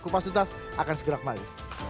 kupas tuntas akan segera kembali